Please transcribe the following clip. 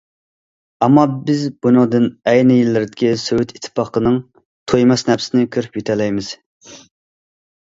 ئەمما، بىز بۇنىڭدىن ئەينى يىللىرىدىكى سوۋېت ئىتتىپاقىنىڭ تويماس نەپسىنى كۆرۈپ يېتەلەيمىز.